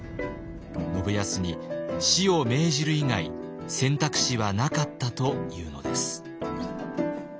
信康に死を命じる以外選択肢はなかったというのです。